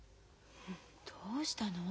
どうしたの？